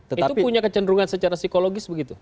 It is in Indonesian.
itu punya kecenderungan secara psikologis begitu